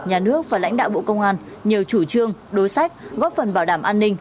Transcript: nhà nước và lãnh đạo bộ công an nhờ chủ trương đối sách góp phần bảo đảm an ninh